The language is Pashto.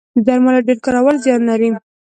د درملو ډیر کارول زیان لري